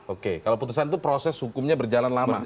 oke kalau putusan itu proses hukumnya berjalan lama